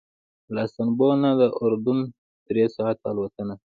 له استانبول نه اردن ته درې ساعته الوتنه ده.